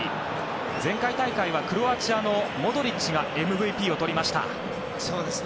前回大会はクロアチアのモドリッチがＭＶＰをとりました。